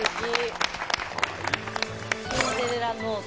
シンデレラノート。